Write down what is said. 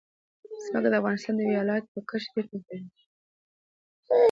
ځمکه د افغانستان د ولایاتو په کچه ډېر توپیر لري.